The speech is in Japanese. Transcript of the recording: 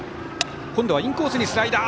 今度はインコースにスライダー。